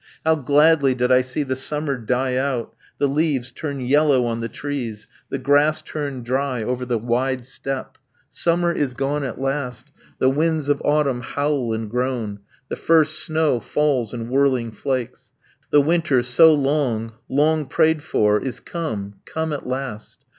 How gladly did I see the summer die out, the leaves turn yellow on the trees, the grass turn dry over the wide steppe! Summer is gone at last! the winds of autumn howl and groan, the first snow falls in whirling flakes. The winter, so long, long prayed for, is come, come at last.